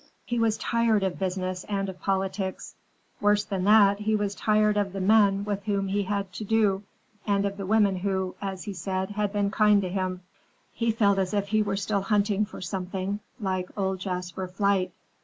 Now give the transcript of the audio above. He was tired of business and of politics. Worse than that, he was tired of the men with whom he had to do and of the women who, as he said, had been kind to him. He felt as if he were still hunting for something, like old Jasper Flight.